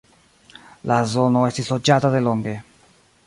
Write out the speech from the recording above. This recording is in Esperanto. La zono estis loĝata delonge.